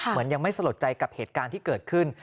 เหมือนยังไม่สะลดใจกับเหตุการณ์ที่เกิดขึ้น